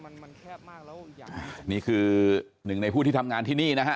นี่คือหนึ่งในผู้ที่ทำงานที่นี่นะฮะ